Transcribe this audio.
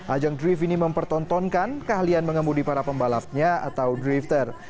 ajang drift ini mempertontonkan keahlian mengemudi para pembalapnya atau drifter